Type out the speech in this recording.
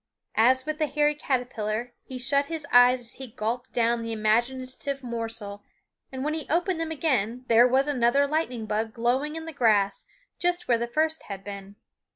As with the hairy caterpillar, he shut his eyes as he gulped down the imaginative morsel, and when he opened them again there was another lightning bug glowing in the grass just where the first had been.